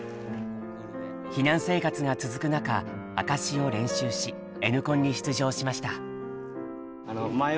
避難生活が続く中「証」を練習し「Ｎコン」に出場しました。